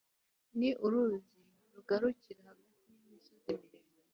ni uruzi rugarukira hagati y'imisozi miremire